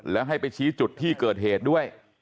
แล้วให้ไปชี้จุดที่เกิดเหตุด้วย